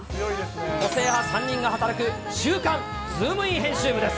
個性派３人が働く、週刊ズームイン編集部です。